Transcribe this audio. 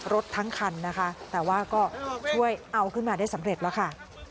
รถทั้งคันนะคะแต่ว่าก็ช่วยเอาขึ้นมาได้สำเร็จแล้วค่ะ